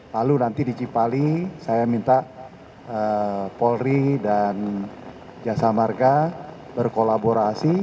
lalu nanti di cipali saya minta polri dan jasa marga berkolaborasi